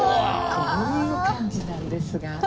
こういう感じなんですが。